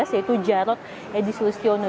yaitu jarod edisulistiono